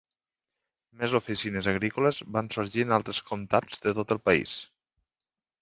Més oficines agrícoles van sorgir en altres comtats de tot el país.